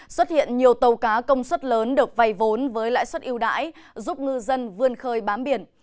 xuất hiện nhiều tàu cá công suất lớn được vay vốn với lãi suất yêu đãi giúp ngư dân vươn khơi bám biển